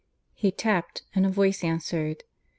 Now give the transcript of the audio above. He tapped; and a voice answered.